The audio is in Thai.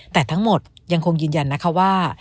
แต่ทั้งหมดยังคงยืนยันนะคะว่า